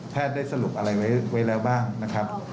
ได้สรุปอะไรไว้แล้วบ้างนะครับ